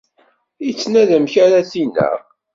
Ittnadi amek ara t-ineɣ.